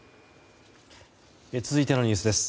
続いてのニュースです。